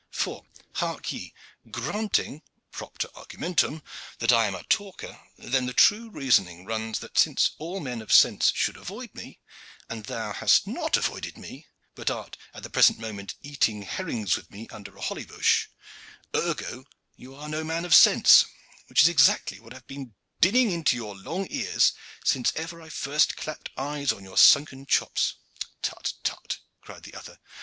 For, hark ye: granting, propter argumentum, that I am a talker, then the true reasoning runs that since all men of sense should avoid me, and thou hast not avoided me, but art at the present moment eating herrings with me under a holly bush, ergo you are no man of sense, which is exactly what I have been dinning into your long ears ever since I first clapped eyes on your sunken chops." "Tut, tut!" cried the other.